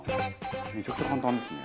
めちゃくちゃ簡単ですね。